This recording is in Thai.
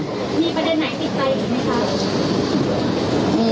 มีปัญดินไหนติดใจหรือไม่ค่ะ